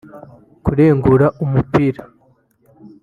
kurengura umupira